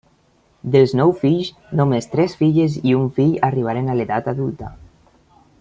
Dels nou fills, només tres filles i un fill arribaren a l'edat adulta.